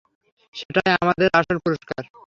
সেটাই আমাদের আসল পুরস্কার।